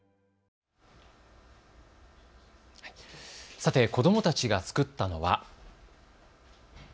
さて子どもたちが作ったのは。